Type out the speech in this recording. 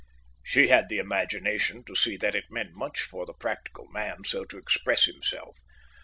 She had the imagination to see that it meant much for the practical man so to express himself.